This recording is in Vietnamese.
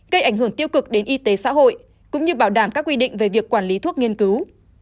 gây ảnh hưởng tiêu cực đến y tế xã hội cũng như bảo đảm các quy định về việc quản lý thuốc nghiên cứu